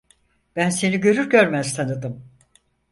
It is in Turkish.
Ben seni görür görmez tanıdım.